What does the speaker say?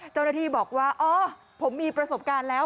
เจ้าหน้าที่บอกว่าอ๋อผมมีประสบการณ์แล้ว